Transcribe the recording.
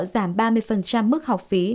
giảm ba mươi mức học phí